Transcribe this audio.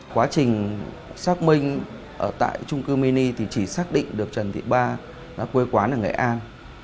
quá trình xác minh ở tại trung cư mini thì chỉ xác định được trần thị ba đã quê quán ở nghệ an